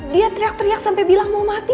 dia teriak teriak sampai bilang mau mati